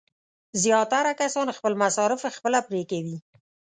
زیاتره کسان خپل مصارف خپله پرې کوي.